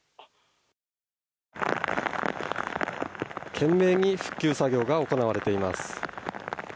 懸命に復旧作業が行われています。